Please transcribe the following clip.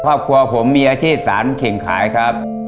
ครอบครัวผมมีอาชีพสารเข่งขายครับ